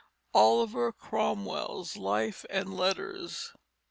Oliver Cromwell's Life and Letters.